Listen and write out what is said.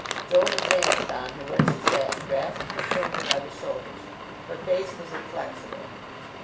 Joan advanced on her where she sat and grasped her firmly by the shoulders. Her face was inflexible.